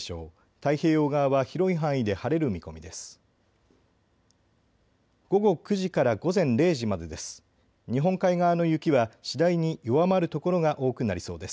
太平洋側は広い範囲で晴れる見込みです。